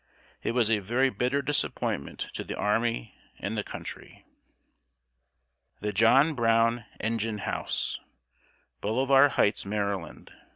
It was a very bitter disappointment to the army and the country. [Sidenote: THE JOHN BROWN ENGINE HOUSE.] BOLIVAR HIGHTS, MD.